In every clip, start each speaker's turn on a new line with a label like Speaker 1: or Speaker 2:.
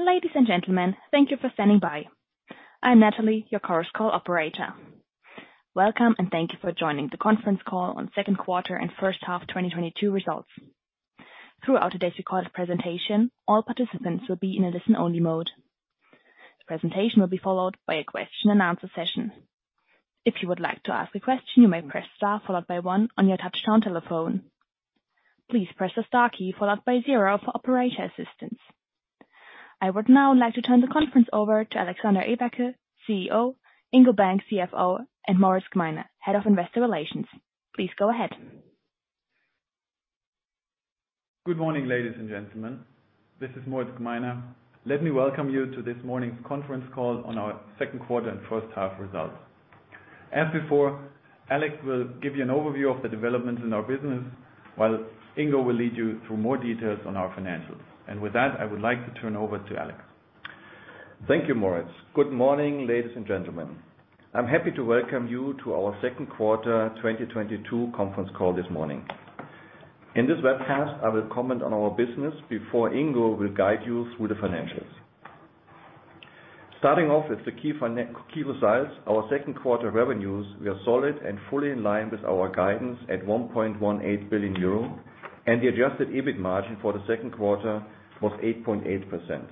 Speaker 1: Ladies and gentlemen, thank you for standing by. I'm Natalie, your Chorus Call operator. Welcome, and thank you for joining the conference call on second quarter and first half 2022 results. Throughout today's recorded presentation, all participants will be in a listen-only mode. The presentation will be followed by a question and answer session. If you would like to ask a question, you may press star followed by one on your touchtone telephone. Please press the star key followed by zero for operator assistance. I would now like to turn the conference over to Alexander Everke, CEO, Ingo Bank, CFO, and Moritz Gmeiner, Head of Investor Relations. Please go ahead.
Speaker 2: Good morning, ladies and gentlemen. This is Moritz Gmeiner. Let me welcome you to this morning's conference call on our second quarter and first half results. As before, Alex will give you an overview of the developments in our business, while Ingo will lead you through more details on our financials. With that, I would like to turn over to Alex.
Speaker 3: Thank you, Moritz. Good morning, ladies and gentlemen. I'm happy to welcome you to our second quarter 2022 conference call this morning. In this webcast, I will comment on our business before Ingo will guide you through the financials. Starting off with the key results, our second quarter revenues were solid and fully in line with our guidance at 1.18 billion euro, and the adjusted EBIT margin for the second quarter was 8.8%.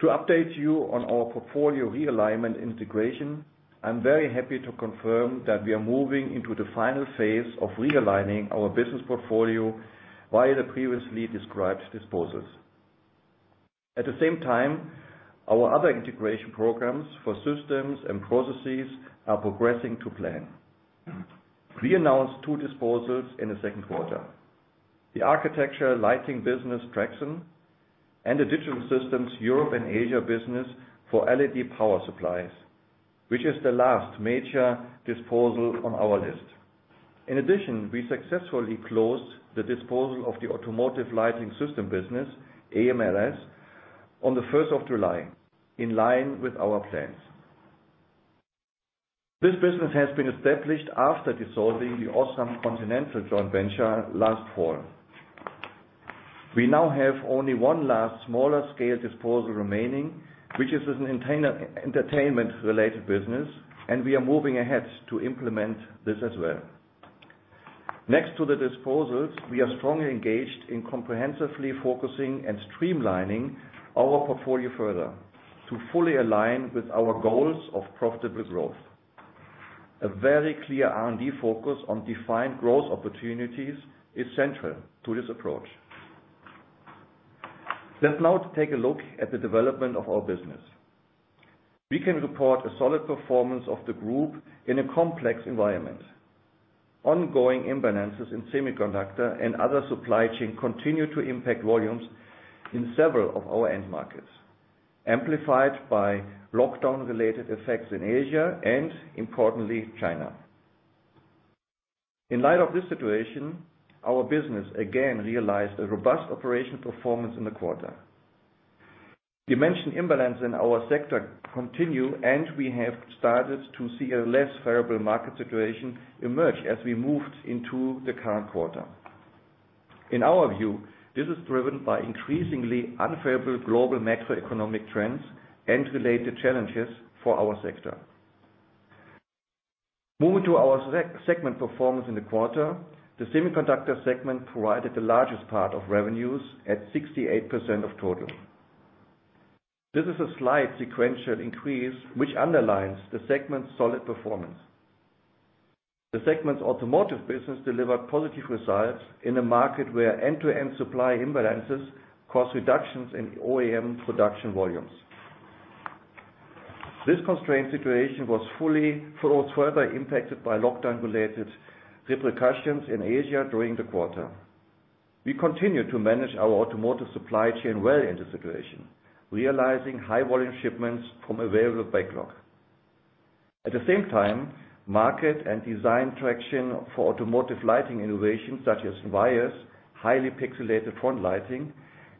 Speaker 3: To update you on our portfolio realignment integration, I'm very happy to confirm that we are moving into the final phase of realigning our business portfolio via the previously described disposals. At the same time, our other integration programs for systems and processes are progressing to plan. We announced two disposals in the second quarter, the architectural lighting business, Traxon, and the Digital Systems business in Europe and Asia for LED power supplies, which is the last major disposal on our list. In addition, we successfully closed the disposal of the automotive lighting system business, AMLS, on the first of July, in line with our plans. This business has been established after dissolving the Osram Continental joint venture last fall. We now have only one last smaller scale disposal remaining, which is an entertainment-related business, and we are moving ahead to implement this as well. Next to the disposals, we are strongly engaged in comprehensively focusing and streamlining our portfolio further to fully align with our goals of profitable growth. A very clear R&D focus on defined growth opportunities is central to this approach. Let's now take a look at the development of our business. We can report a solid performance of the group in a complex environment. Ongoing imbalances in semiconductor and other supply chain continue to impact volumes in several of our end markets, amplified by lockdown-related effects in Asia and, importantly, China. In light of this situation, our business again realized a robust operational performance in the quarter. Demand imbalance in our sector continue, and we have started to see a less favorable market situation emerge as we moved into the current quarter. In our view, this is driven by increasingly unfavorable global macroeconomic trends and related challenges for our sector. Moving to our segment performance in the quarter, the semiconductor segment provided the largest part of revenues at 68% of total. This is a slight sequential increase, which underlines the segment's solid performance. The segment's automotive business delivered positive results in a market where end-to-end supply imbalances caused reductions in OEM production volumes. This constraint situation was further impacted by lockdown-related repercussions in Asia during the quarter. We continue to manage our automotive supply chain well in the situation, realizing high volume shipments from available backlog. At the same time, market and design traction for automotive lighting innovations such as EVIYOS, highly pixelated front lighting,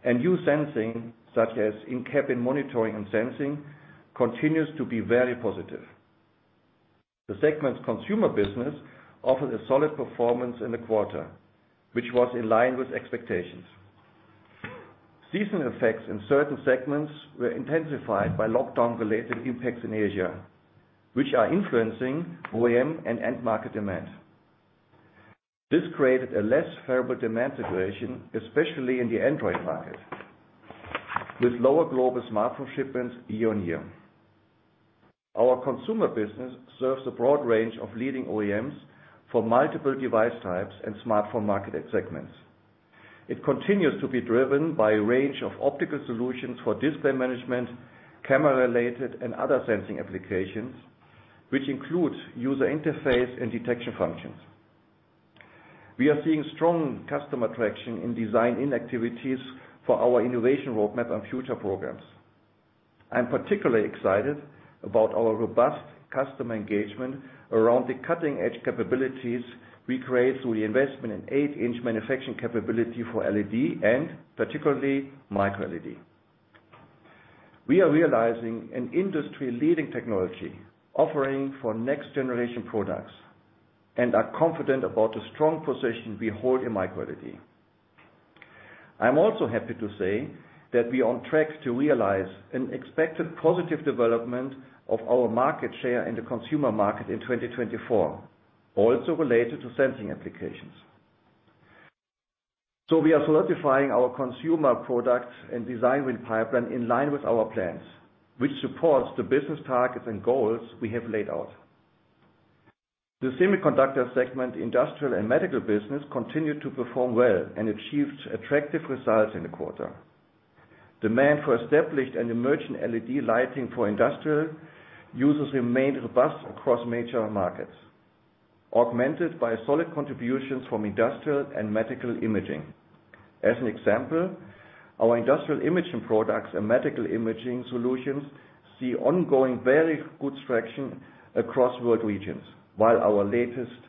Speaker 3: and new sensing, such as in-cabin monitoring and sensing, continues to be very positive. The segment's consumer business offered a solid performance in the quarter, which was in line with expectations. Seasonal effects in certain segments were intensified by lockdown-related impacts in Asia, which are influencing OEM and end market demand. This created a less favorable demand situation, especially in the Android market, with lower global smartphone shipments year-on-year. Our consumer business serves a broad range of leading OEMs for multiple device types and smartphone market segments. It continues to be driven by a range of optical solutions for display management, camera-related and other sensing applications, which include user interface and detection functions. We are seeing strong customer traction in design-in activities for our innovation roadmap and future programs. I'm particularly excited about our robust customer engagement around the cutting-edge capabilities we create through the investment in eight-inch manufacturing capability for LED and particularly micro LED. We are realizing an industry-leading technology offering for next generation products and are confident about the strong position we hold in micro LED. I'm also happy to say that we are on track to realize an expected positive development of our market share in the consumer market in 2024, also related to sensing applications. We are solidifying our consumer products and design win pipeline in line with our plans, which supports the business targets and goals we have laid out. The semiconductor segment, industrial and medical business continued to perform well and achieved attractive results in the quarter. Demand for established and emerging LED lighting for industrial users remained robust across major markets, augmented by solid contributions from industrial and medical imaging. As an example, our industrial imaging products and medical imaging solutions see ongoing very good traction across world regions, while our latest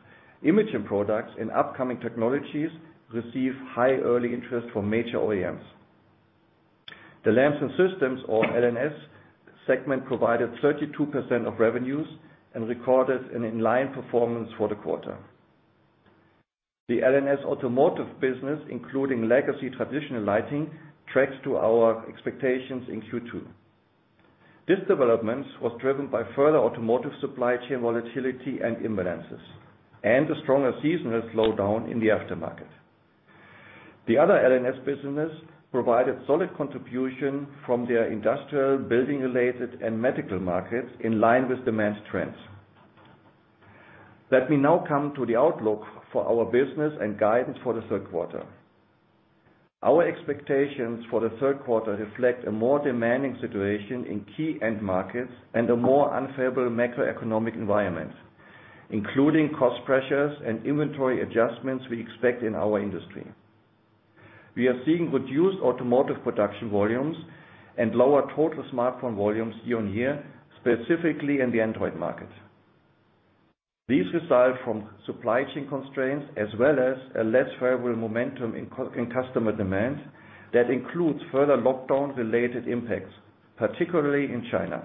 Speaker 3: imaging products and upcoming technologies receive high early interest from major OEMs. The Lamps & Systems, or L&S segment, provided 32% of revenues and recorded an in-line performance for the quarter. The L&S automotive business, including legacy traditional lighting, tracks to our expectations in Q2. This development was driven by further automotive supply chain volatility and imbalances, and a stronger seasonal slowdown in the aftermarket. The other L&S business provided solid contribution from their industrial building-related and medical markets in line with demand trends. Let me now come to the outlook for our business and guidance for the third quarter. Our expectations for the third quarter reflect a more demanding situation in key end markets and a more unfavorable macroeconomic environment, including cost pressures and inventory adjustments we expect in our industry. We are seeing reduced automotive production volumes and lower total smartphone volumes year-on-year, specifically in the Android market. These result from supply chain constraints as well as a less favorable momentum in customer demand that includes further lockdown-related impacts, particularly in China.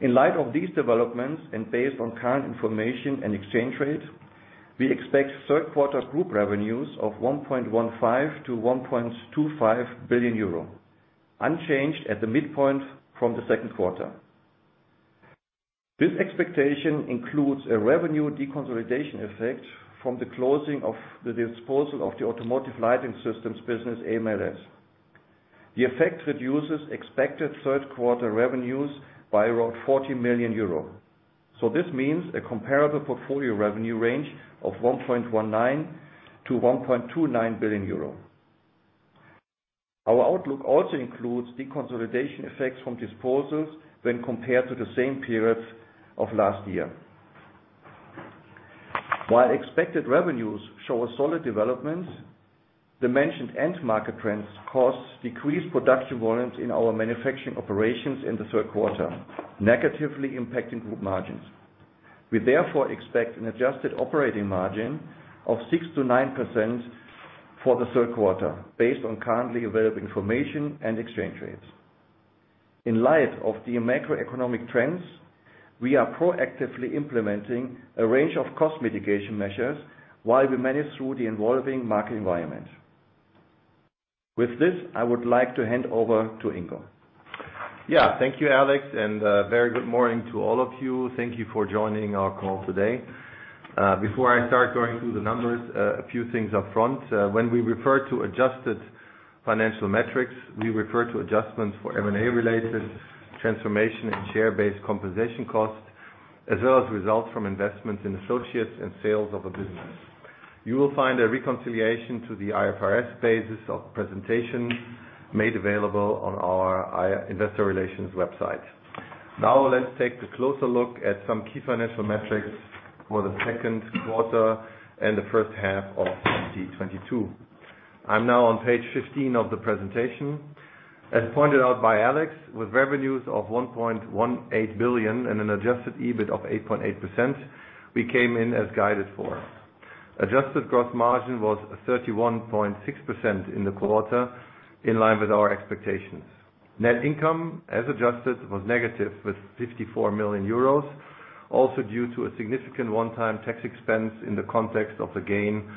Speaker 3: In light of these developments and based on current information and exchange rate, we expect third quarter group revenues of 1.15 billion-1.25 billion euro, unchanged at the midpoint from the second quarter. This expectation includes a revenue deconsolidation effect from the closing of the disposal of the automotive lighting systems business, AMLS. The effect reduces expected third quarter revenues by around 40 million euro. This means a comparable portfolio revenue range of 1.19 billion-1.29 billion euro. Our outlook also includes deconsolidation effects from disposals when compared to the same period of last year. While expected revenues show a solid development, the mentioned end market trends cause decreased production volumes in our manufacturing operations in the third quarter, negatively impacting group margins. We therefore expect an adjusted operating margin of 6%-9% for the third quarter, based on currently available information and exchange rates. In light of the macroeconomic trends, we are proactively implementing a range of cost mitigation measures while we manage through the evolving market environment. With this, I would like to hand over to Ingo.
Speaker 4: Yeah. Thank you, Alex, and very good morning to all of you. Thank you for joining our call today. Before I start going through the numbers, a few things up front. When we refer to adjusted financial metrics, we refer to adjustments for M&A related transformation and share-based compensation costs, as well as results from investments in associates and sales of a business. You will find a reconciliation to the IFRS basis of presentation made available on our investor relations website. Now let's take a closer look at some key financial metrics for the second quarter and the first half of 2022. I'm now on page 15 of the presentation. As pointed out by Alex, with revenues of 1.18 billion and an adjusted EBIT of 8.8%, we came in as guided for. Adjusted gross margin was 31.6% in the quarter in line with our expectations. Net income, as adjusted, was negative with 54 million euros, also due to a significant one-time tax expense in the context of the gain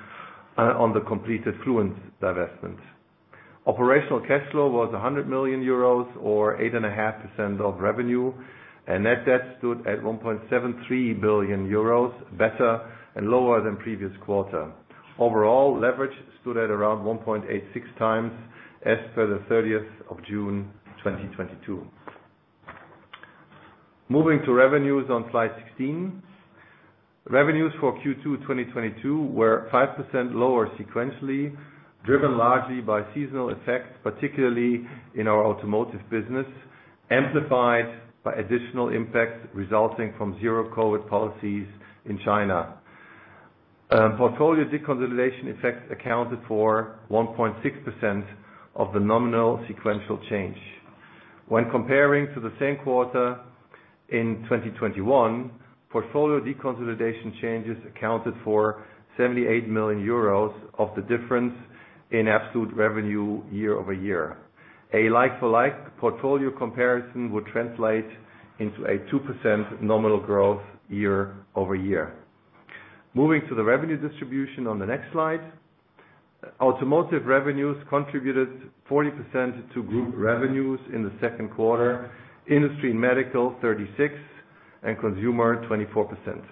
Speaker 4: on the completed Fluence divestment. Operational cash flow was 100 million euros or 8.5% of revenue, and net debt stood at 1.73 billion euros, better and lower than previous quarter. Overall, leverage stood at around 1.86x as per the 30th of June, 2022. Moving to revenues on slide 16. Revenues for Q2 2022 were 5% lower sequentially, driven largely by seasonal effects, particularly in our automotive business, amplified by additional impacts resulting from zero COVID policies in China. Portfolio deconsolidation effects accounted for 1.6% of the nominal sequential change. When comparing to the same quarter in 2021, portfolio deconsolidation changes accounted for 78 million euros of the difference in absolute revenue year-over-year. A like-for-like portfolio comparison would translate into a 2% nominal growth year-over-year. Moving to the revenue distribution on the next slide. Automotive revenues contributed 40% to group revenues in the second quarter. Industry and medical, 36%, and consumer, 24%.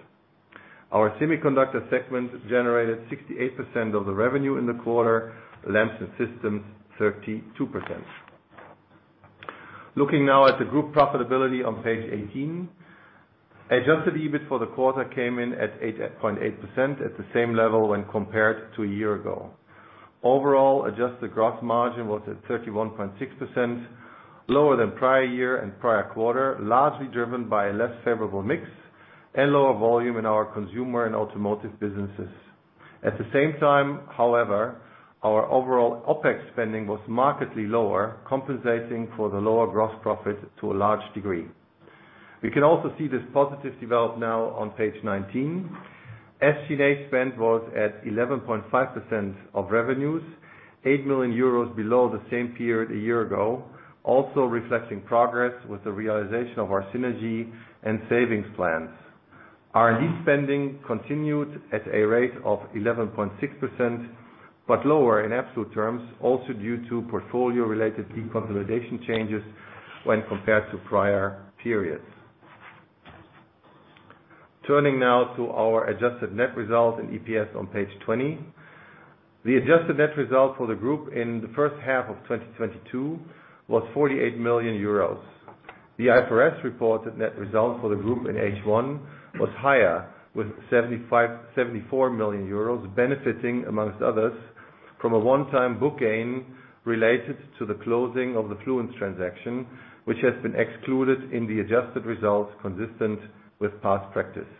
Speaker 4: Our Semiconductor segment generated 68% of the revenue in the quarter. Lamps & Systems, 32%. Looking now at the group profitability on page 18. Adjusted EBIT for the quarter came in at 8.8% at the same level when compared to a year ago. Overall, adjusted gross margin was at 31.6%, lower than prior year and prior quarter, largely driven by a less favorable mix and lower volume in our consumer and automotive businesses. At the same time, however, our overall OPEX spending was markedly lower, compensating for the lower gross profit to a large degree. We can also see this positive development now on page 19. SG&A spend was at 11.5% of revenues, 8 million euros below the same period a year ago, also reflecting progress with the realization of our synergy and savings plans. R&D spending continued at a rate of 11.6%, but lower in absolute terms, also due to portfolio-related deconsolidation changes when compared to prior periods. Turning now to our adjusted net results and EPS on page 20. The adjusted net result for the group in the first half of 2022 was 48 million euros. The IFRS reported net result for the group in H1 was higher with 74 million euros, benefiting among others from a one-time book gain related to the closing of the Fluence transaction, which has been excluded in the adjusted results consistent with past practice.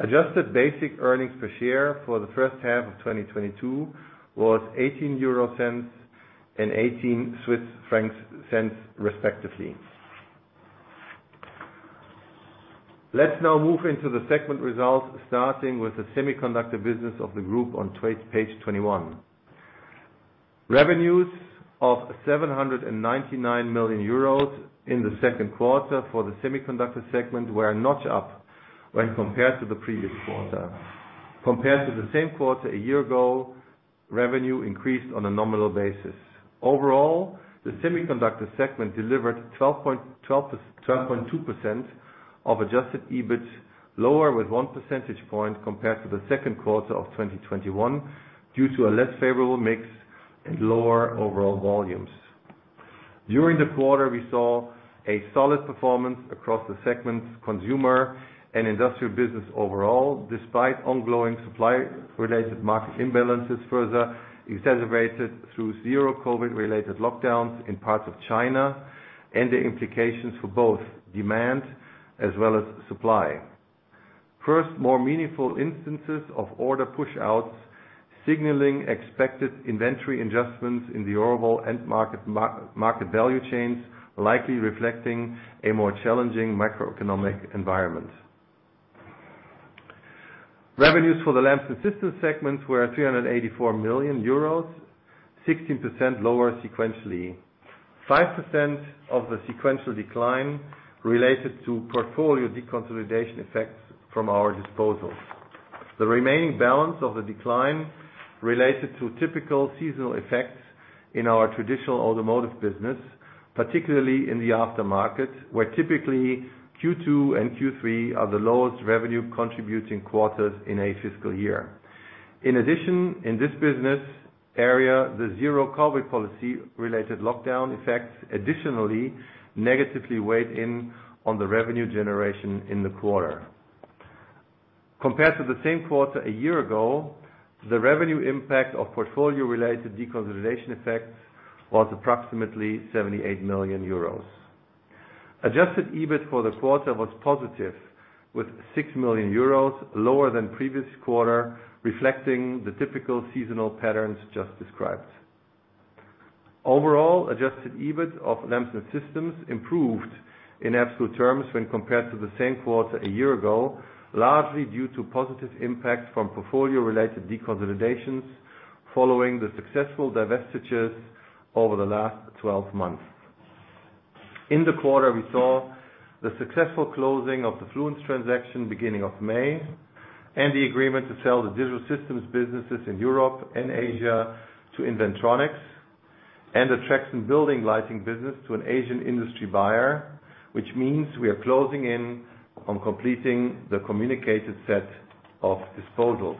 Speaker 4: Adjusted basic earnings per share for the first half of 2022 was 0.18 and 0.18 respectively. Let's now move into the segment results, starting with the Semiconductor business of the group on page 21. Revenues of 799 million euros in the second quarter for the Semiconductor segment were a notch up when compared to the previous quarter. Compared to the same quarter a year ago, revenue increased on a nominal basis. Overall, the semiconductor segment delivered 12.2% of adjusted EBIT lower with one percentage point compared to the second quarter of 2021 due to a less favorable mix and lower overall volumes. During the quarter, we saw a solid performance across the segment's consumer and industrial business overall, despite ongoing supply-related market imbalances further exacerbated through zero COVID-related lockdowns in parts of China and the implications for both demand as well as supply. First, more meaningful instances of order pushouts signaling expected inventory adjustments in the overall end market value chains likely reflecting a more challenging macroeconomic environment. Revenues for the Lamps & Systems segment were 384 million euros, 16% lower sequentially. 5% of the sequential decline related to portfolio deconsolidation effects from our disposals. The remaining balance of the decline related to typical seasonal effects in our traditional automotive business, particularly in the aftermarket, where typically Q2 and Q3 are the lowest revenue-contributing quarters in a fiscal year. In addition, in this business area, the zero COVID policy-related lockdown effects additionally negatively weighed in on the revenue generation in the quarter. Compared to the same quarter a year ago, the revenue impact of portfolio-related deconsolidation effects was approximately 78 million euros. Adjusted EBIT for the quarter was positive, with 6 million euros lower than previous quarter, reflecting the typical seasonal patterns just described. Overall, adjusted EBIT of Lamps & Systems improved in absolute terms when compared to the same quarter a year ago, largely due to positive impact from portfolio-related deconsolidations following the successful divestitures over the last 12 months. In the quarter, we saw the successful closing of the Fluence transaction beginning of May and the agreement to sell the Digital Systems businesses in Europe and Asia to Inventronics and the Traxon to an Asian industrial buyer, which means we are closing in on completing the communicated set of disposals.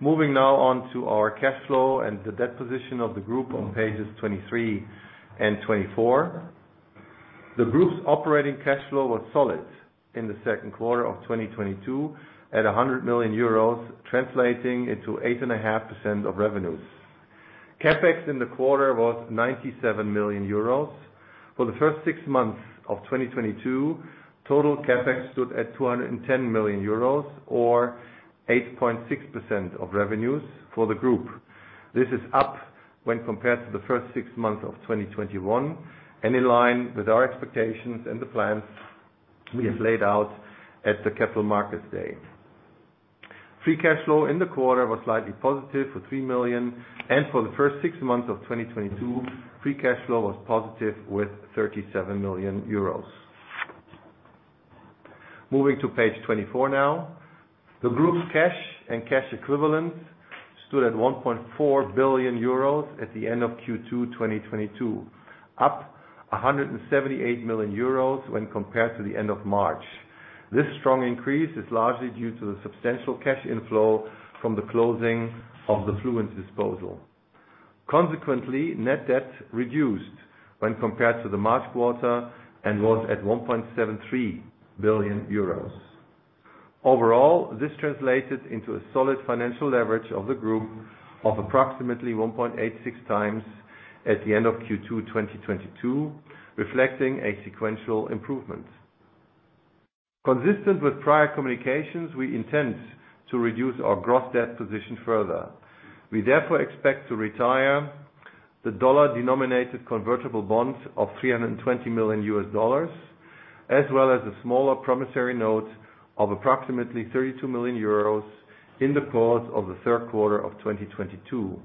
Speaker 4: Moving now on to our cash flow and the debt position of the group on pages 23 and 24. The group's operating cash flow was solid in the second quarter of 2022 at 100 million euros, translating into 8.5% of revenues. CapEx in the quarter was 97 million euros. For the first six months of 2022, total CapEx stood at 210 million euros or 8.6% of revenues for the group. This is up when compared to the first six months of 2021, and in line with our expectations and the plans we have laid out at the Capital Markets Day. Free cash flow in the quarter was slightly positive for 3 million, and for the first six months of 2022, free cash flow was positive with 37 million euros. Moving to page 24 now. The group's cash and cash equivalents stood at 1.4 billion euros at the end of Q2 2022, up 178 million euros when compared to the end of March. This strong increase is largely due to the substantial cash inflow from the closing of the Fluence disposal. Consequently, net debt reduced when compared to the March quarter and was at 1.73 billion euros. Overall, this translated into a solid financial leverage of the group of approximately 1.86x at the end of Q2 2022, reflecting a sequential improvement. Consistent with prior communications, we intend to reduce our gross debt position further. We therefore expect to retire the dollar-denominated convertible bonds of $320 million, as well as a smaller promissory note of approximately 32 million euros in the course of the third quarter of 2022,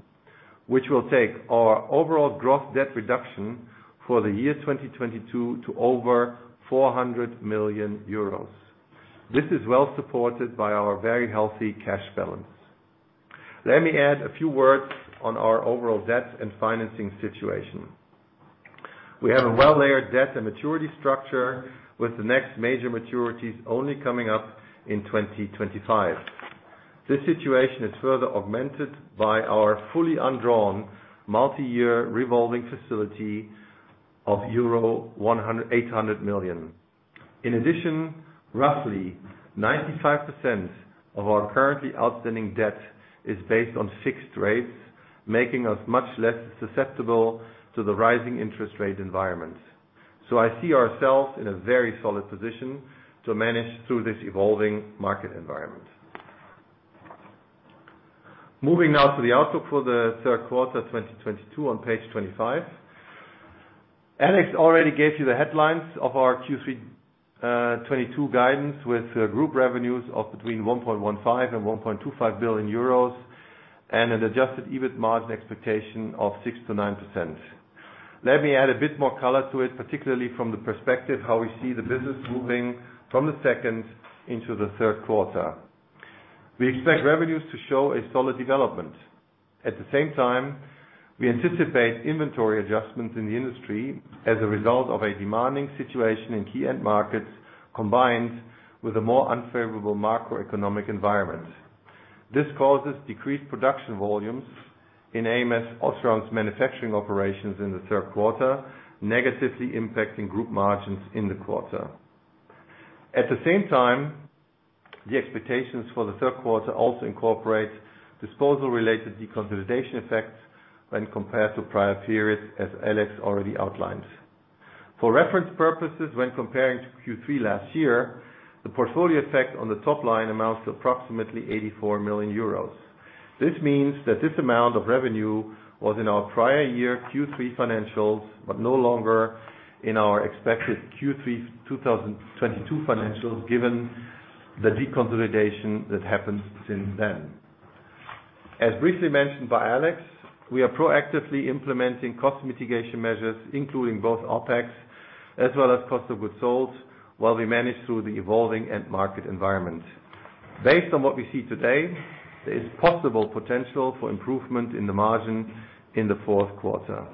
Speaker 4: which will take our overall gross debt reduction for the year 2022 to over 400 million euros. This is well supported by our very healthy cash balance. Let me add a few words on our overall debt and financing situation. We have a well-layered debt and maturity structure, with the next major maturities only coming up in 2025. This situation is further augmented by our fully undrawn multi-year revolving facility of euro 800 million. In addition, roughly 95% of our currently outstanding debt is based on fixed rates, making us much less susceptible to the rising interest rate environment. I see ourselves in a very solid position to manage through this evolving market environment. Moving now to the outlook for the third quarter 2022 on page 25. Alex already gave you the headlines of our Q3 2022 guidance, with group revenues of between 1.15 billion-1.25 billion euros and an adjusted EBIT margin expectation of 6%-9%. Let me add a bit more color to it, particularly from the perspective how we see the business moving from the second into the third quarter. We expect revenues to show a solid development. At the same time, we anticipate inventory adjustments in the industry as a result of a demanding situation in key end markets, combined with a more unfavorable macroeconomic environment. This causes decreased production volumes in ams OSRAM's manufacturing operations in the third quarter, negatively impacting group margins in the quarter. At the same time, the expectations for the third quarter also incorporate disposal-related deconsolidation effects when compared to prior periods, as Alex already outlined. For reference purposes when comparing to Q3 last year, the portfolio effect on the top line amounts to approximately 84 million euros. This means that this amount of revenue was in our prior year Q3 financials, but no longer in our expected Q3 2022 financials, given the deconsolidation that happened since then. As briefly mentioned by Alex, we are proactively implementing cost mitigation measures, including both OpEx as well as cost of goods sold, while we manage through the evolving end market environment. Based on what we see today, there is possible potential for improvement in the margin in the fourth quarter.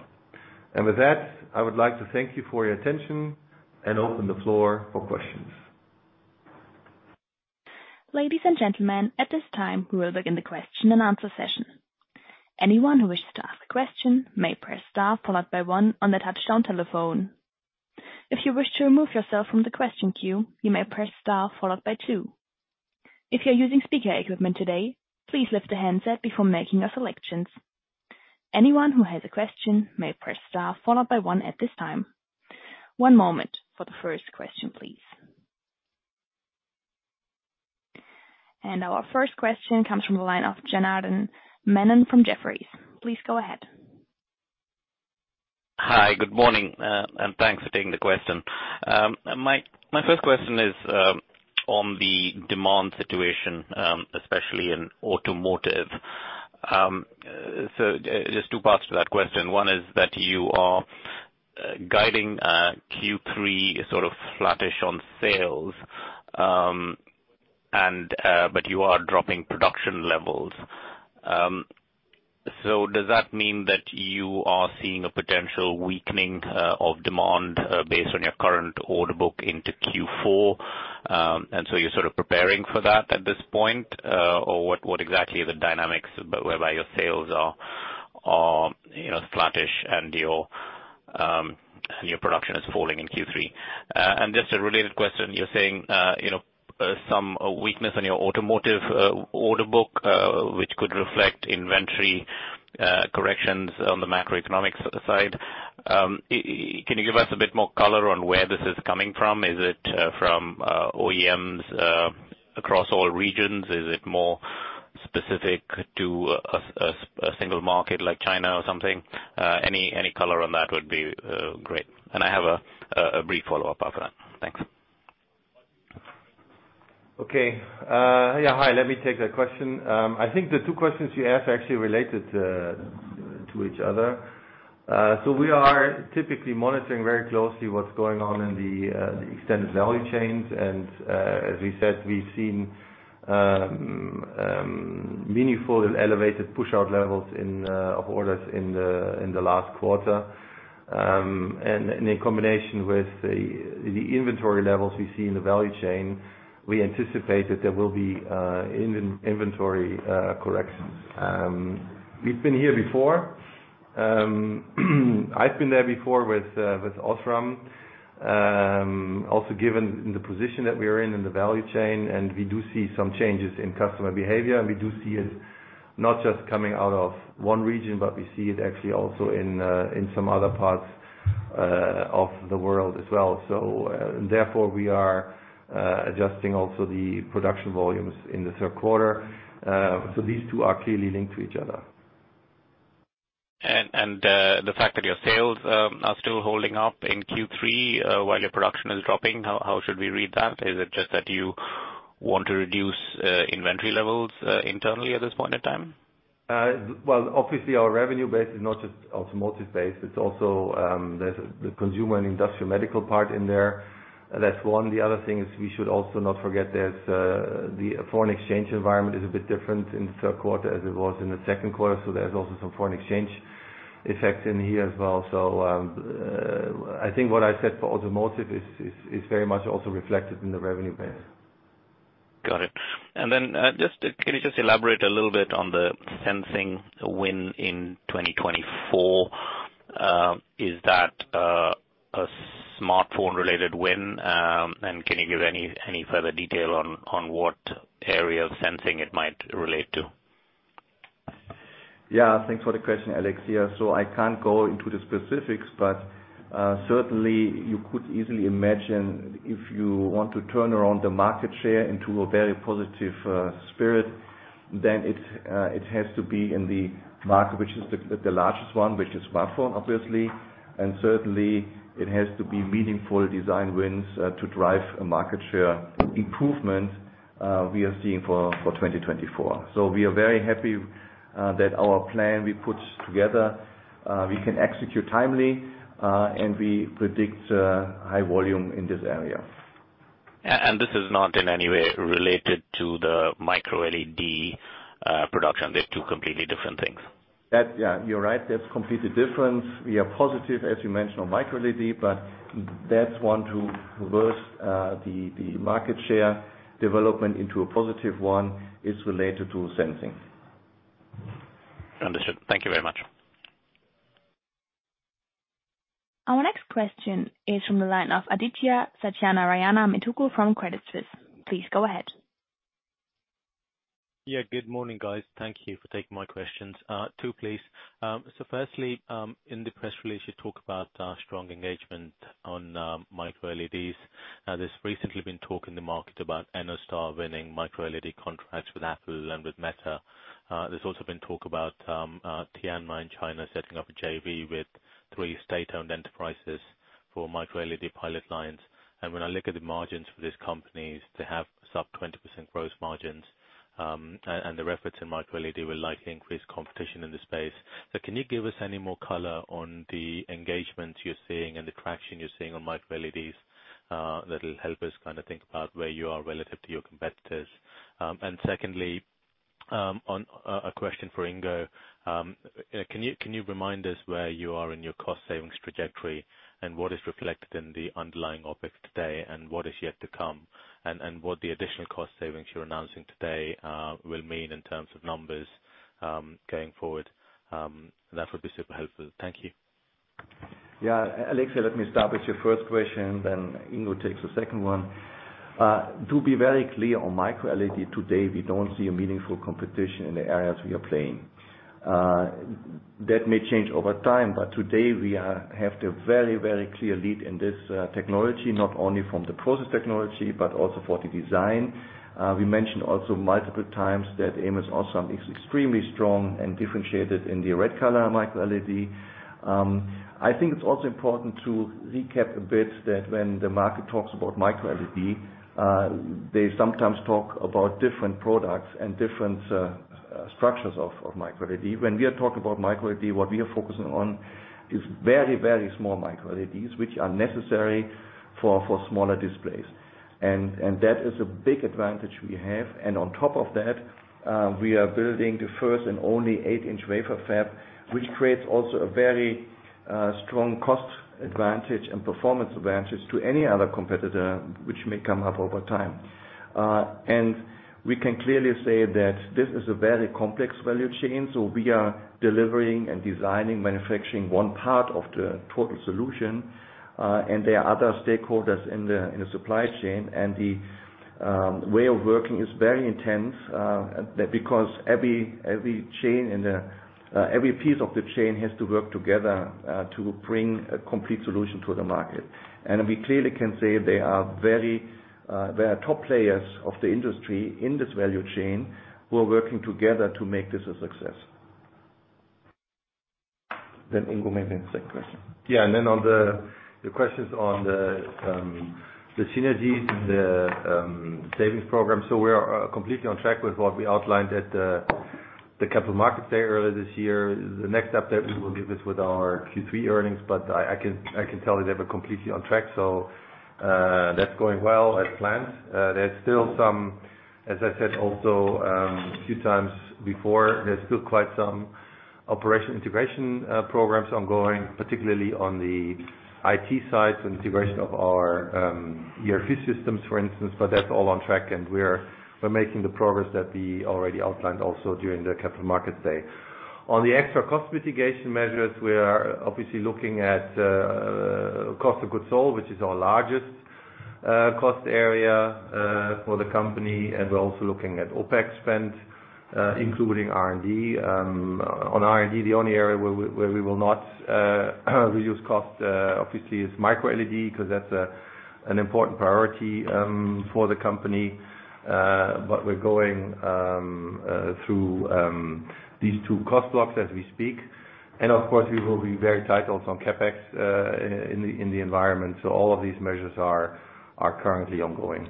Speaker 4: With that, I would like to thank you for your attention and open the floor for questions.
Speaker 1: Ladies and gentlemen, at this time, we will begin the question-and-answer session. Anyone who wishes to ask a question may press star followed by one on their touchtone telephone. If you wish to remove yourself from the question queue, you may press star followed by two. If you're using speaker equipment today, please lift the handset before making your selections. Anyone who has a question may press star followed by one at this time. One moment for the first question, please. Our first question comes from the line of Janardan Menon from Jefferies. Please go ahead.
Speaker 5: Hi, good morning. Thanks for taking the question. My first question is on the demand situation, especially in automotive. There's two parts to that question. One is that you are guiding Q3 as sort of flattish on sales, and but you are dropping production levels. Does that mean that you are seeing a potential weakening of demand based on your current order book into Q4, and so you're sort of preparing for that at this point? Or what exactly are the dynamics whereby your sales are, you know, flattish and your production is falling in Q3? Just a related question, you're saying, you know, some weakness in your automotive order book, which could reflect inventory corrections on the macroeconomic side. Can you give us a bit more color on where this is coming from? Is it from OEMs across all regions? Is it more specific to a single market like China or something? Any color on that would be great. I have a brief follow-up after that. Thanks.
Speaker 3: Okay. Yeah, hi, let me take that question. I think the two questions you asked are actually related to each other. We are typically monitoring very closely what's going on in the extended value chains. As we said, we've seen meaningful and elevated push out levels of orders in the last quarter. In combination with the inventory levels we see in the value chain, we anticipate that there will be inventory corrections. We've been here before. I've been there before with Osram. Also given the position that we are in the value chain, and we do see some changes in customer behavior, and we do see it not just coming out of one region, but we see it actually also in some other parts of the world as well. Therefore, we are adjusting also the production volumes in the third quarter. These two are clearly linked to each other.
Speaker 5: The fact that your sales are still holding up in Q3 while your production is dropping, how should we read that? Is it just that you want to reduce inventory levels internally at this point in time?
Speaker 3: Well, obviously our revenue base is not just automotive-based, it's also, there's the consumer and industrial medical part in there. That's one. The other thing is we should also not forget there's the foreign exchange environment is a bit different in the third quarter as it was in the second quarter. There's also some foreign exchange effects in here as well. I think what I said for automotive is very much also reflected in the revenue base.
Speaker 5: Got it. Just, can you just elaborate a little bit on the sensing win in 2024? Is that a smartphone related win? And can you give any further detail on what area of sensing it might relate to?
Speaker 3: Yeah. Thanks for the question, Janardan Menon. I can't go into the specifics, but certainly you could easily imagine if you want to turn around the market share into a very positive spirit, then it has to be in the market, which is the largest one, which is smartphone, obviously. Certainly it has to be meaningful design wins to drive a market share improvement we are seeing for 2024. We are very happy that our plan we put together we can execute timely and we predict high volume in this area.
Speaker 5: This is not in any way related to the micro LED production. They're two completely different things.
Speaker 3: That's. Yeah, you're right. That's completely different. We are positive, as you mentioned, on MicroLED, but that's one to reverse, the market share development into a positive one is related to sensing.
Speaker 5: Understood. Thank you very much.
Speaker 1: Our next question is from the line of Adithya Satyanarayana Metuku from Credit Suisse. Please go ahead.
Speaker 6: Yeah. Good morning, guys. Thank you for taking my questions. Two, please. Firstly, in the press release, you talk about strong engagement on MicroLED. There's recently been talk in the market about EnnoStar winning MicroLED contracts with Apple and with Meta. There's also been talk about Tianma in China setting up a JV with 3 state-owned enterprises for MicroLED pilot lines. When I look at the margins for these companies, they have sub 20% gross margins, and the reference in MicroLED will likely increase competition in the space. Can you give us any more color on the engagement you're seeing and the traction you're seeing on MicroLED, that'll help us kinda think about where you are relative to your competitors? Secondly, a question for Ingo. Can you remind us where you are in your cost savings trajectory and what is reflected in the underlying OpEx today, and what is yet to come? What the additional cost savings you're announcing today will mean in terms of numbers going forward? That would be super helpful. Thank you.
Speaker 3: Yeah. Adithya, let me start with your first question, then Ingo takes the second one. To be very clear, on micro LED today, we don't see a meaningful competition in the areas we are playing. That may change over time, but today we have the very, very clear lead in this technology, not only from the process technology, but also for the design. We mentioned also multiple times that ams OSRAM is extremely strong and differentiated in the red color micro LED. I think it's also important to recap a bit that when the market talks about micro LED, they sometimes talk about different products and different structures of micro LED. When we are talking about micro LED, what we are focusing on is very, very small micro LEDs, which are necessary for smaller displays. That is a big advantage we have. On top of that, we are building the first and only eight-inch wafer fab, which creates also a very strong cost advantage and performance advantage to any other competitor which may come up over time. We can clearly say that this is a very complex value chain, so we are delivering and designing, manufacturing one part of the total solution, and there are other stakeholders in the supply chain. Way of working is very intense because every piece of the chain has to work together to bring a complete solution to the market. We clearly can say they are top players of the industry in this value chain who are working together to make this a success. Ingo maybe the second question.
Speaker 4: On the questions on the synergies and the savings program. We are completely on track with what we outlined at the Capital Markets Day earlier this year. The next update we will give is with our Q3 earnings, but I can tell you they were completely on track. That's going well as planned. There's still some, as I said also, a few times before, there's still quite some operational integration programs ongoing, particularly on the IT side, so integration of our ERP systems, for instance. But that's all on track, and we're making the progress that we already outlined also during the Capital Markets Day. On the extra cost mitigation measures, we are obviously looking at cost of goods sold, which is our largest cost area for the company, and we're also looking at OPEX spend, including R&D. On R&D, the only area where we will not reduce cost, obviously, is MicroLED, 'cause that's an important priority for the company. We're going through these two cost blocks as we speak. Of course, we will be very tight also on CapEx in the environment. All of these measures are currently ongoing.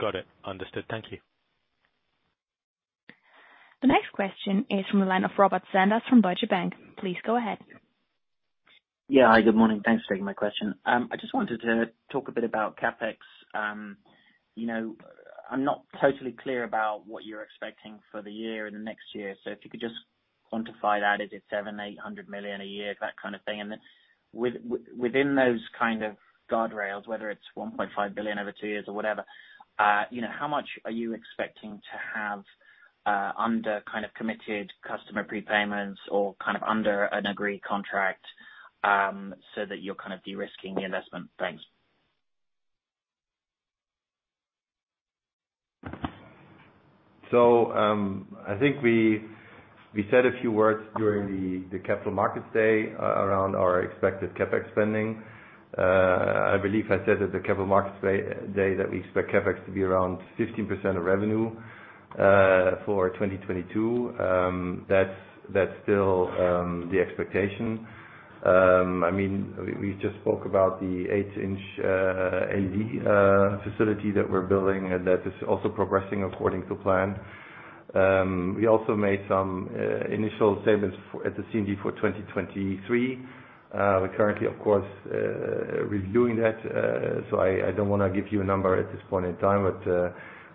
Speaker 6: Got it. Understood. Thank you.
Speaker 1: The next question is from the line of Robert Sanders from Deutsche Bank. Please go ahead.
Speaker 7: Yeah. Hi, good morning. Thanks for taking my question. I just wanted to talk a bit about CapEx. You know, I'm not totally clear about what you're expecting for the year and the next year. If you could just quantify that. Is it 700 million-800 million a year? That kind of thing. Within those kind of guardrails, whether it's 1.5 billion over two years or whatever, you know, how much are you expecting to have under kind of committed customer prepayments or kind of under an agreed contract, so that you're kind of de-risking the investment? Thanks.
Speaker 4: I think we said a few words during the Capital Markets Day around our expected CapEx spending. I believe I said at the Capital Markets Day that we expect CapEx to be around 15% of revenue for 2022. That's still the expectation. I mean, we just spoke about the eight-inch AD facility that we're building, and that is also progressing according to plan. We also made some initial statements at the CMD for 2023. We're currently, of course, reviewing that, so I don't wanna give you a number at this point in time.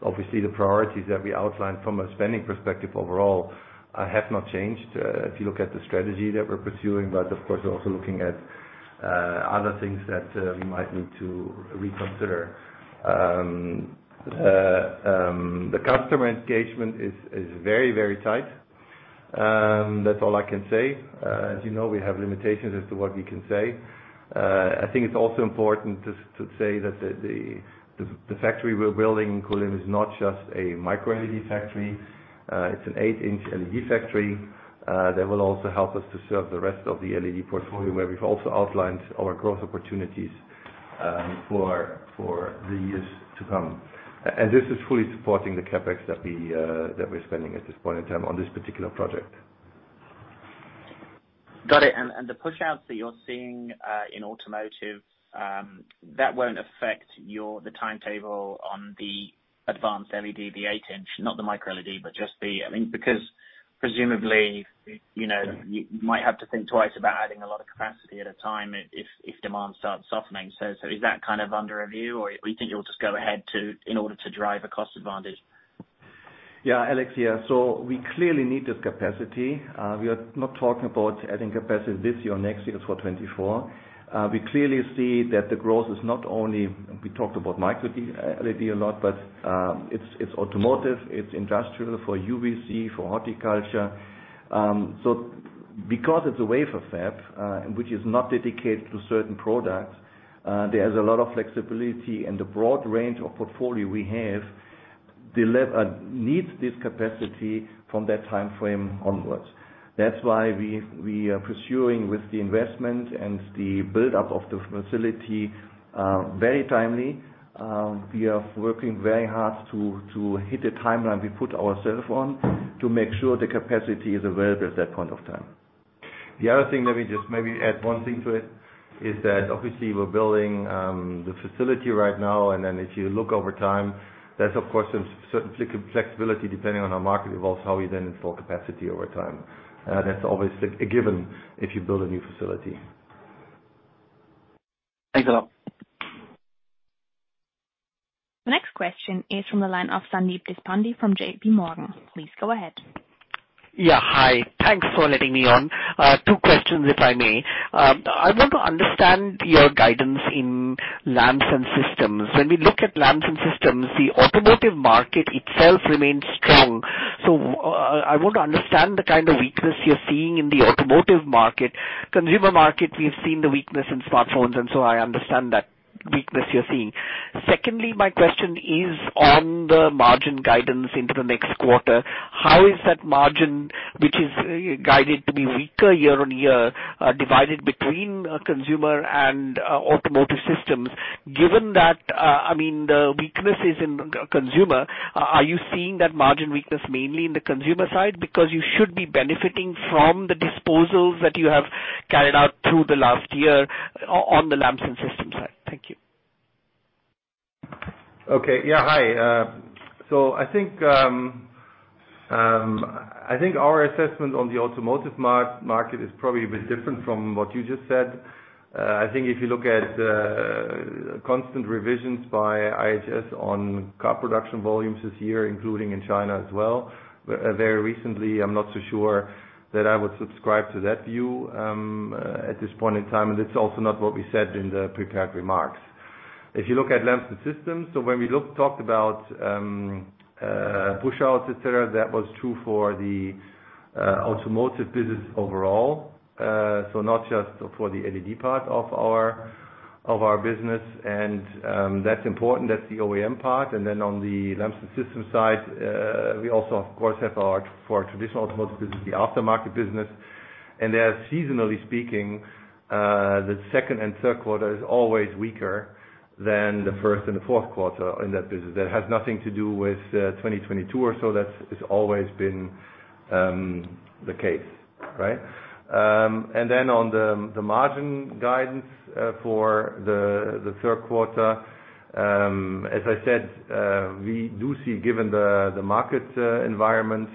Speaker 4: Obviously the priorities that we outlined from a spending perspective overall have not changed if you look at the strategy that we're pursuing. Of course, we're also looking at other things that we might need to reconsider. The customer engagement is very tight. That's all I can say. As you know, we have limitations as to what we can say. I think it's also important to say that the factory we're building in Kulim is not just a MicroLED factory. It's an eight-inch LED factory that will also help us to serve the rest of the LED portfolio, where we've also outlined our growth opportunities for the years to come. This is fully supporting the CapEx that we're spending at this point in time on this particular project.
Speaker 7: Got it. The pushouts that you're seeing in automotive that won't affect the timetable on the advanced LED, the eight-inch? Not the MicroLED, but just the, I mean, because presumably, you know, you might have to think twice about adding a lot of capacity at a time if demand starts softening. Is that kind of under review, or you think you'll just go ahead in order to drive a cost advantage?
Speaker 3: Yeah, Alex, yeah. We clearly need this capacity. We are not talking about adding capacity this year or next year, it's for 2024. We clearly see that the growth is not only, we talked about MicroLED a lot, but it's automotive, it's industrial for UVC, for horticulture. Because it's a wafer fab, which is not dedicated to certain products, there's a lot of flexibility, and the broad range of portfolio we have needs this capacity from that timeframe onwards. That's why we are pursuing with the investment and the build-up of the facility very timely. We are working very hard to hit the timeline we put ourselves on to make sure the capacity is available at that point of time. The other thing, let me just maybe add one thing to it, is that obviously we're building the facility right now, and then if you look over time, there's of course some certain flexibility depending on how market evolves, how we then install capacity over time. That's always a given if you build a new facility.
Speaker 7: Thanks a lot.
Speaker 1: The next question is from the line of Sandeep Deshpande from JPMorgan. Please go ahead.
Speaker 8: Yeah. Hi. Thanks for letting me on. Two questions, if I may. I want to understand your guidance in Lamps & Systems. When we look at Lamps & Systems, the automotive market itself remains strong. I want to understand the kind of weakness you're seeing in the automotive market. Consumer market, we've seen the weakness in smartphones, and so I understand that weakness you're seeing. Secondly, my question is on the margin guidance into the next quarter. How is that margin, which is guided to be weaker year-on-year, divided between consumer and automotive systems, given that, I mean, the weakness is in consumer, are you seeing that margin weakness mainly in the consumer side? Because you should be benefiting from the disposals that you have carried out through the last year on the Lamps & Systems side. Thank you.
Speaker 4: Okay. Yeah, hi. I think our assessment on the automotive market is probably a bit different from what you just said. I think if you look at constant revisions by IHS on car production volumes this year, including in China as well, very recently, I'm not so sure that I would subscribe to that view at this point in time, and it's also not what we said in the prepared remarks. If you look at Lamps & Systems, when we talked about push outs, et cetera, that was true for the automotive business overall, so not just for the LED part of our business. That's important, that's the OEM part. Then on the Lamps & Systems side, we also of course have our for our traditional automotive business, the aftermarket business. They are seasonally speaking, the second and third quarter is always weaker than the first and the fourth quarter in that business. That has nothing to do with 2022 or so. That's, it's always been the case, right? Then on the margin guidance for the third quarter, as I said, we do see given the market environment,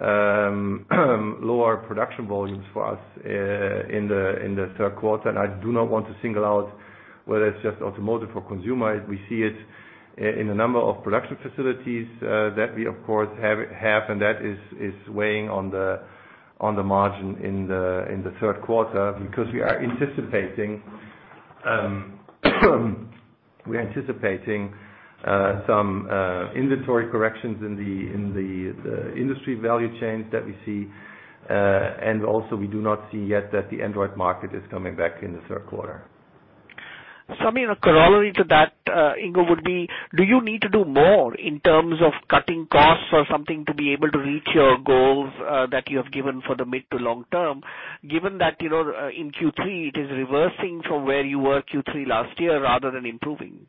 Speaker 4: lower production volumes for us in the third quarter. I do not want to single out whether it's just automotive or consumer. We see it in a number of production facilities that we of course have, and that is weighing on the margin in the third quarter because we are anticipating some inventory corrections in the industry value chains that we see. We do not see yet that the Android market is coming back in the third quarter.
Speaker 8: I mean, a corollary to that, Ingo would be, do you need to do more in terms of cutting costs or something to be able to reach your goals that you have given for the mid- to long-term, given that, you know, in Q3 it is reversing from where you were Q3 last year rather than improving?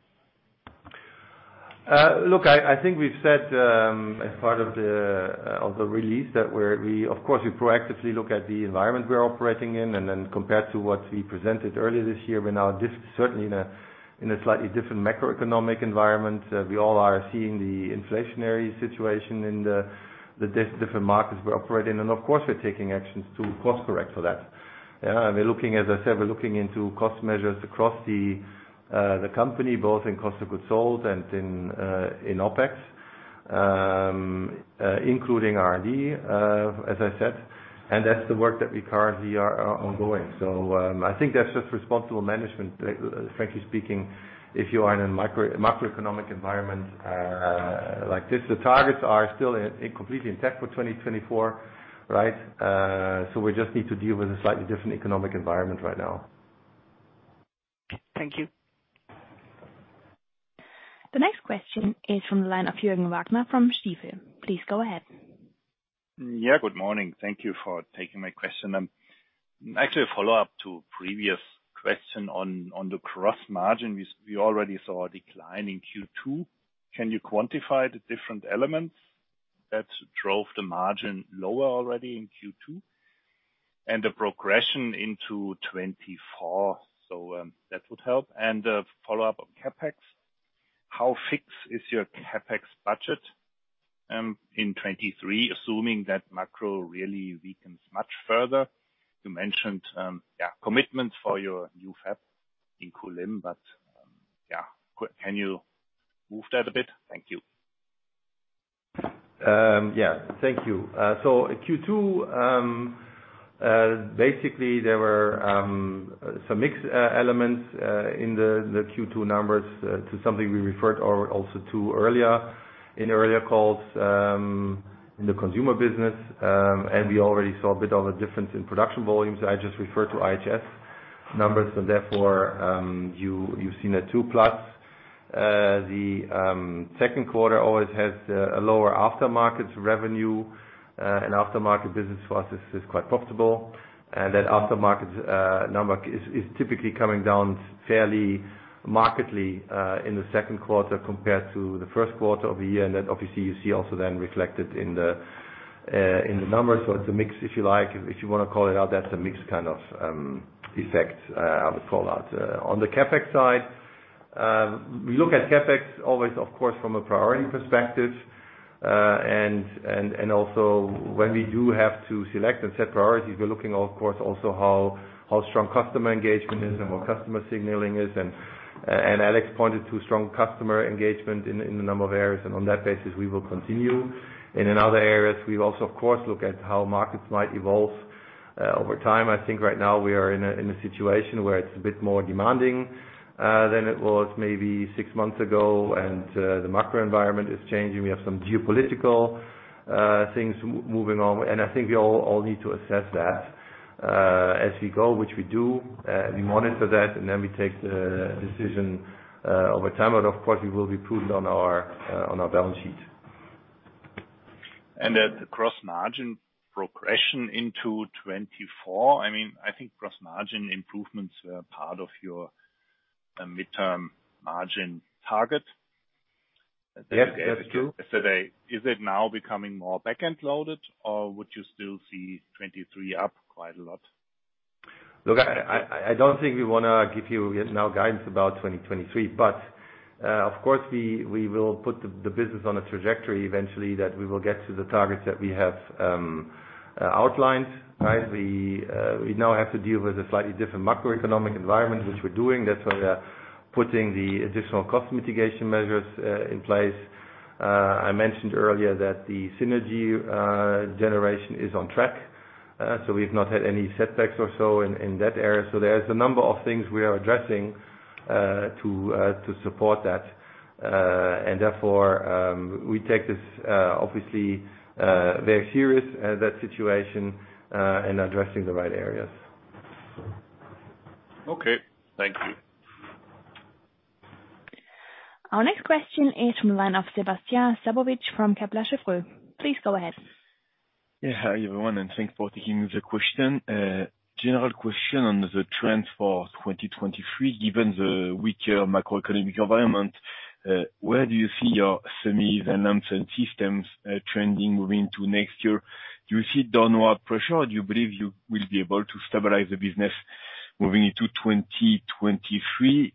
Speaker 4: Look, I think we've said as part of the release that we of course proactively look at the environment we are operating in, and then compared to what we presented earlier this year, we're now just certainly in a slightly different macroeconomic environment. We all are seeing the inflationary situation in the different markets we operate in. Of course, we're taking actions to cost correct for that. Yeah, we're looking, as I said, into cost measures across the company, both in cost of goods sold and in OPEX, including R&D, as I said, and that's the work that we currently are ongoing. I think that's just responsible management, frankly speaking, if you are in a macroeconomic environment like this. The targets are still in completely intact for 2024, right? We just need to deal with a slightly different economic environment right now.
Speaker 8: Thank you.
Speaker 1: The next question is from the line of Jürgen Wagner from Stifel. Please go ahead.
Speaker 9: Good morning. Thank you for taking my question. Actually a follow-up to previous question on the gross margin. We already saw a decline in Q2. Can you quantify the different elements that drove the margin lower already in Q2 and the progression into 2024? That would help. A follow-up on CapEx. How fixed is your CapEx budget in 2023, assuming that macro really weakens much further? You mentioned commitment for your new fab in Kulim, but can you move that a bit? Thank you.
Speaker 4: Yeah. Thank you. Q2 basically there were some mixed elements in the Q2 numbers to something we referred or also to earlier calls in the consumer business. We already saw a bit of a difference in production volumes. I just referred to IHS numbers and therefore, you've seen a 2+. The second quarter always has a lower aftermarket revenue, and aftermarket business for us is quite profitable. That aftermarket number is typically coming down fairly markedly in the second quarter compared to the first quarter of the year. That obviously you see also then reflected in the numbers. It's a mix if you like. If you wanna call it out, that's a mixed kind of effect I would call out. On the CapEx side, we look at CapEx always of course from a priority perspective. Also when we do have to select and set priorities, we're looking of course also at how strong customer engagement is and how customer signaling is. Alex pointed to strong customer engagement in a number of areas, and on that basis, we will continue. In other areas, we also of course look at how markets might evolve over time. I think right now we are in a situation where it's a bit more demanding than it was maybe six months ago, and the macro environment is changing. We have some geopolitical things moving on, and I think we all need to assess that as we go, which we do. We monitor that, and then we take the decision over time. Of course, we will be prudent on our balance sheet.
Speaker 9: The gross margin progression into 2024, I mean, I think gross margin improvements were part of your midterm margin target.
Speaker 4: Yes, that's true.
Speaker 9: Is it now becoming more back-end loaded, or would you still see 2023 up quite a lot?
Speaker 4: Look, I don't think we wanna give you now guidance about 2023. Of course, we will put the business on a trajectory eventually that we will get to the targets that we have outlined. Right? We now have to deal with a slightly different macroeconomic environment, which we're doing. That's why we are putting the additional cost mitigation measures in place. I mentioned earlier that the synergy generation is on track. We've not had any setbacks or so in that area. There's a number of things we are addressing to support that. Therefore, we take this obviously very serious that situation in addressing the right areas.
Speaker 9: Okay, thank you.
Speaker 1: Our next question is from the line of Sebastien Sztabowicz from Kepler Cheuvreux. Please go ahead.
Speaker 10: Yeah. Hi, everyone, and thanks for taking the question. General question on the trends for 2023. Given the weaker macroeconomic environment, where do you see your semis and systems trending moving to next year? Do you see downward pressure? Do you believe you will be able to stabilize the business moving into 2023?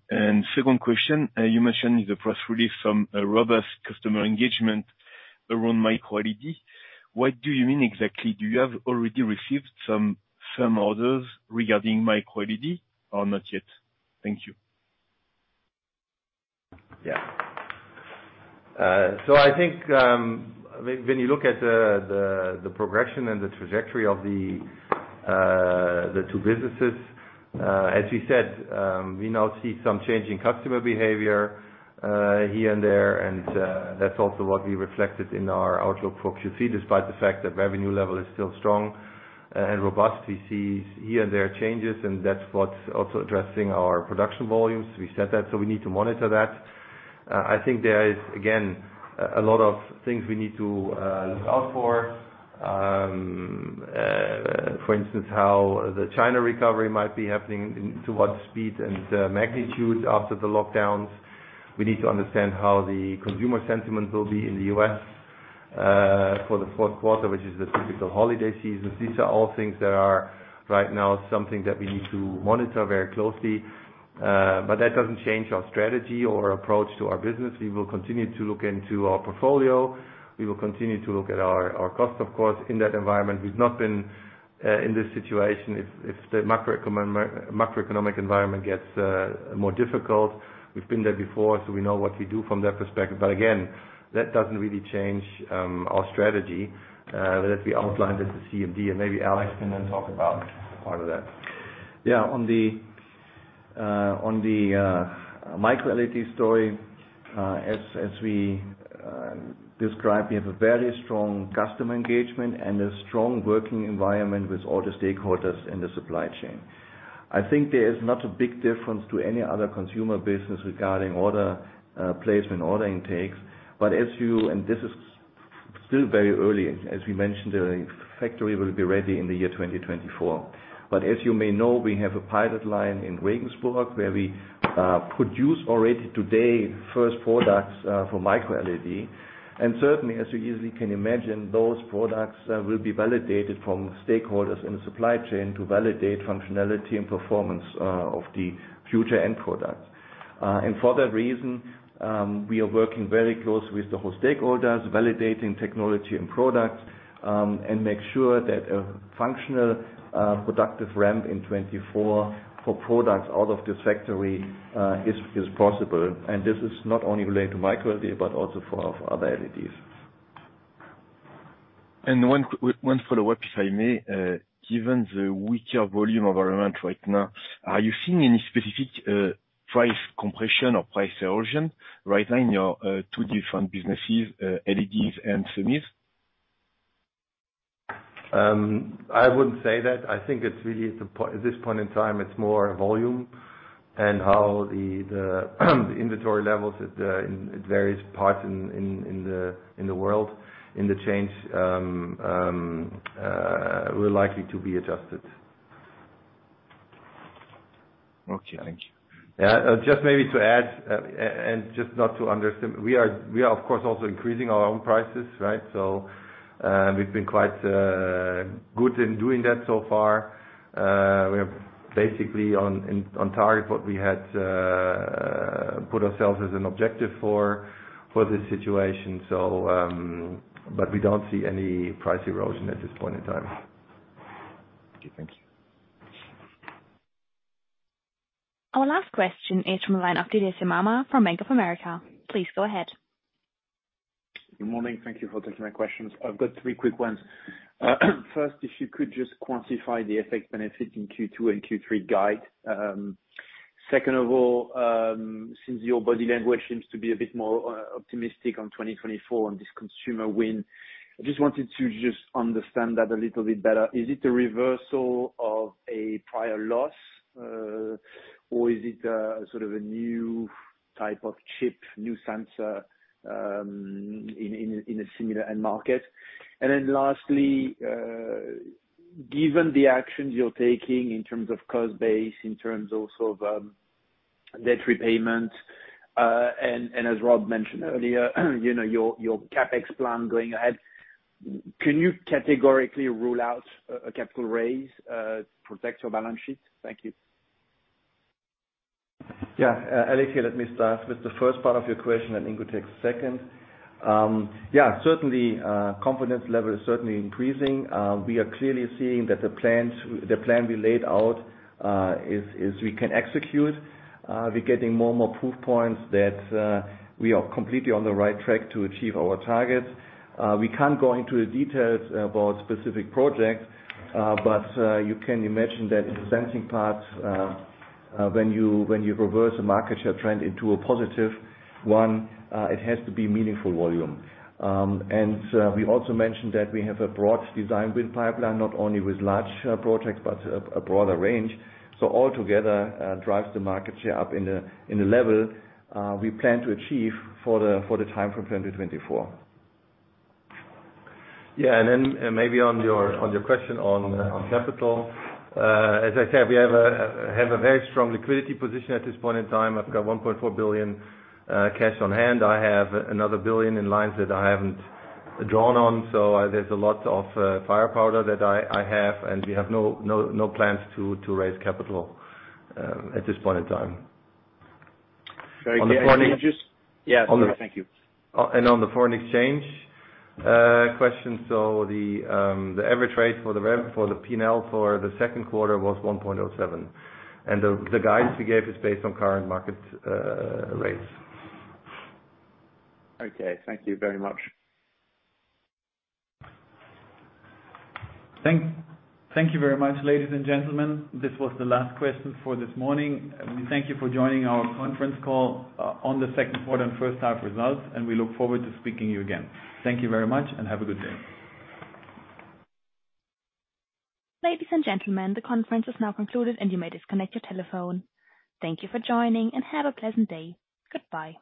Speaker 10: Second question, you mentioned in the press release some robust customer engagement around MicroLED. What do you mean exactly? Do you have already received some orders regarding MicroLED or not yet? Thank you.
Speaker 4: Yeah. I think when you look at the progression and the trajectory of the two businesses, as you said, we now see some change in customer behavior here and there. That's also what we reflected in our outlook for Q3, despite the fact that revenue level is still strong and robust. We see here and there changes, and that's what's also affecting our production volumes. We said that, so we need to monitor that. I think there is, again, a lot of things we need to look out for. For instance, how the China recovery might be happening at what speed and magnitude after the lockdowns. We need to understand how the consumer sentiment will be in the U.S. for the fourth quarter, which is the typical holiday season. These are all things that are right now, something that we need to monitor very closely. That doesn't change our strategy or approach to our business. We will continue to look into our portfolio. We will continue to look at our costs, of course, in that environment. We've not been in this situation if the macroeconomic environment gets more difficult. We've been there before, so we know what we do from that perspective. Again, that doesn't really change our strategy that we outlined at the CMD, and maybe Alex can then talk about part of that.
Speaker 3: Yeah, on the MicroLED story, as we described, we have a very strong customer engagement and a strong working environment with all the stakeholders in the supply chain. I think there is not a big difference to any other consumer business regarding order placement, order intakes. This is still very early. As we mentioned, the factory will be ready in the year 2024. But as you may know, we have a pilot line in Regensburg where we produce already today first products for MicroLED. Certainly, as you easily can imagine, those products will be validated from stakeholders in the supply chain to validate functionality and performance of the future end products. For that reason, we are working very closely with the whole stakeholders, validating technology and products, and make sure that a functional, productive ramp in 2024 for products out of this factory, is possible. This is not only related to MicroLED, but also for our other LEDs.
Speaker 10: One follow-up, if I may. Given the weaker volume environment right now, are you seeing any specific price compression or price erosion right now in your two different businesses, LEDs and Semis?
Speaker 4: I wouldn't say that. I think it's really at this point in time, it's more volume and how the inventory levels are in various parts in the world and the changes were likely to be adjusted.
Speaker 10: Okay, thank you.
Speaker 4: We are, of course, also increasing our own prices, right? We've been quite good in doing that so far. We're basically on target what we had put ourselves as an objective for this situation. We don't see any price erosion at this point in time.
Speaker 10: Okay, thank you.
Speaker 1: Our last question is from the line of Didier Scemama from Bank of America. Please go ahead.
Speaker 11: Good morning. Thank you for taking my questions. I've got three quick ones. First, if you could just quantify the FX benefit in Q2 and Q3 guide? Second of all, since your body language seems to be a bit more optimistic on 2024 on this consumer win, I just wanted to just understand that a little bit better. Is it a reversal of a prior loss, or is it a sort of a new type of chip, new sensor, in a similar end market? And then lastly, given the actions you're taking in terms of cost base, in terms also of debt repayment, and as Rob mentioned earlier, you know, your CapEx plan going ahead, can you categorically rule out a capital raise to protect your balance sheet? Thank you.
Speaker 3: Yeah. Didier, let me start with the first part of your question and Ingo takes second. Yeah, certainly, confidence level is certainly increasing. We are clearly seeing that the plan we laid out is we can execute. We're getting more and more proof points that we are completely on the right track to achieve our targets. We can't go into the details about specific projects, but you can imagine that in the sensing part, when you reverse a market share trend into a positive one, it has to be meaningful volume. We also mentioned that we have a broad design win pipeline, not only with large projects, but a broader range. All together drives the market share up in the level we plan to achieve for the time from 2024.
Speaker 4: Yeah. Maybe on your question on capital. As I said, we have a very strong liquidity position at this point in time. I've got 1.4 billion cash on hand. I have another 1 billion in lines that I haven't drawn on. So there's a lot of firepower that I have, and we have no plans to raise capital at this point in time.
Speaker 11: Very good.
Speaker 4: On the foreign-
Speaker 11: Yeah. Sorry. Thank you.
Speaker 4: On the foreign exchange question. The average rate for the P&L for the second quarter was 1.07. The guidance we gave is based on current market rates.
Speaker 11: Okay. Thank you very much.
Speaker 3: Thanks. Thank you very much, ladies and gentlemen. This was the last question for this morning. We thank you for joining our conference call on the second quarter and first half results, and we look forward to speaking to you again. Thank you very much and have a good day.
Speaker 1: Ladies and gentlemen, the conference is now concluded and you may disconnect your telephone. Thank you for joining and have a pleasant day. Goodbye.